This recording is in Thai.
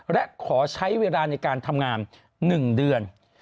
และขอใช้เวลาในการทำงาน๑เดือน